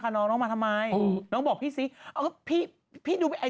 หนูกลับก็ได้